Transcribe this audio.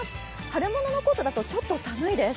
春物のコートだとちょっと寒いです。